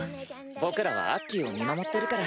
僕らはアッキーを見守ってるから。